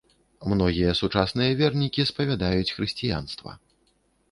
Многія сучасныя вернікі спавядаюць хрысціянства.